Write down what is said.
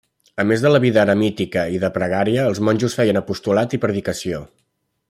A més de la vida eremítica i de pregària, els monjos feien apostolat i predicació.